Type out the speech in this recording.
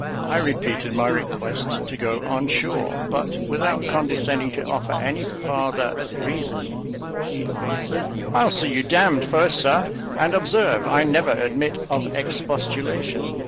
I repeated my request to go on shore; but, without condescending to offer any farther reasons, he answered "I'd see you d d first, Sir! And observe, I never admit of expostulation.